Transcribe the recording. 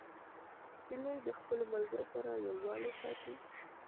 هیلۍ له خپلو ملګرو سره یووالی ساتي